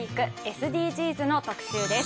ＳＤＧｓの特集です。